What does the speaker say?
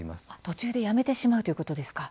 途中でやめてしまうということですか。